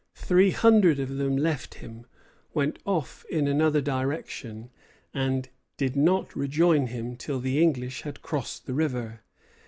Three hundred of them left him, went off in another direction, and did not rejoin him till the English had crossed the river.